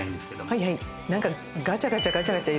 はいはい何かガチャガチャガチャガチャ